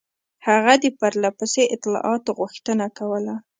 هغه د پرله پسې اطلاعاتو غوښتنه کوله.